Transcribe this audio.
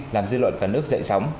làm dư luận cả nước dạy sống